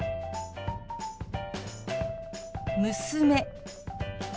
「娘」。